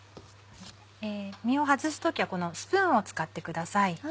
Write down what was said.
身を外す時はこのスプーンを使ってください。